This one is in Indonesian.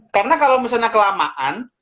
karena kalau misalnya kelamaan